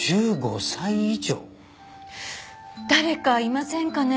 誰かいませんかね。